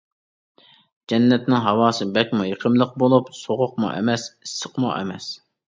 جەننەتنىڭ ھاۋاسى بەكمۇ يېقىملىق بولۇپ، سوغۇقمۇ ئەمەس، ئىسسىقمۇ ئەمەس.